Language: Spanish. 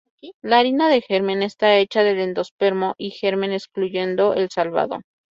La harina de germen está hecha del endospermo y germen, excluyendo el salvado.